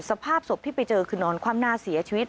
สภาพศพที่ไปเจอคือนอนคว่ำหน้าเสียชีวิต